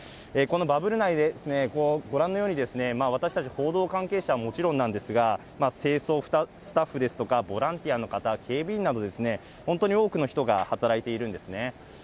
このバブル内ですね、ご覧のように、私たち報道関係者はもちろんなんですが、清掃スタッフですとか、ボランティアの方、警備員など、本当に多くの人が働いているんですね。